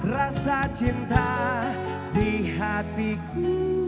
rasa cinta di hatiku